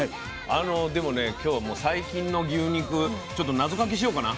あのでもね今日は最近の牛肉ちょっと謎かけしようかな。